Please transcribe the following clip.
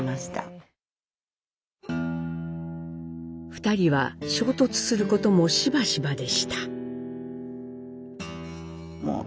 ２人は衝突することもしばしばでした。